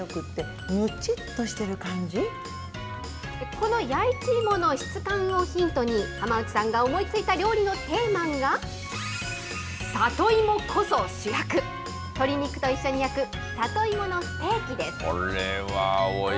この弥一芋の質感をヒントに、浜内さんが思いついた料理のテーマが、里芋こそ主役、鶏肉と一緒に焼く、里芋のステーキです。